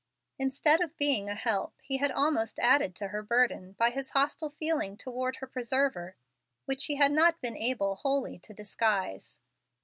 Instead of being a help, he had almost added to her burden by his hostile feeling toward her preserver, which he had not been able wholly to disguise.